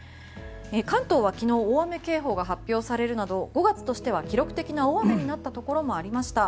関東は昨日大雨警報が発表されるなど５月としては記録的な大雨になったところもありました。